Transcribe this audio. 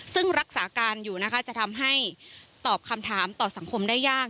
ซึ่งรักษาการอยู่นะคะจะทำให้ตอบคำถามต่อสังคมได้ยาก